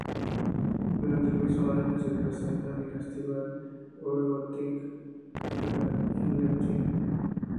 Durante el mismo año se presentan en el festival "Wave-Gotik-Treffen" en Leipzig.